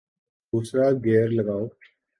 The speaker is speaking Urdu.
دوسرا گیئر لگاؤ